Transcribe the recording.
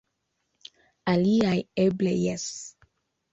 Aliaj eble jes.